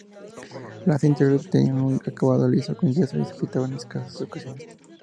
Los interiores tenían un acabado liso con yeso y se pintaban en escasas ocasiones.